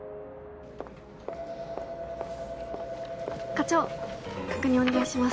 課長確認お願いします。